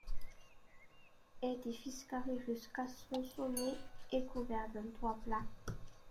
Édifice carré jusqu'à son sommet et couvert d'un toit plat.